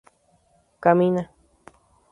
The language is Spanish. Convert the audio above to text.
camina